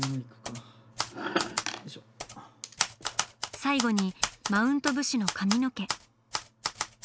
最後にマウント武士の髪の毛。